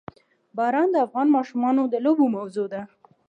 باران د افغان ماشومانو د لوبو موضوع ده.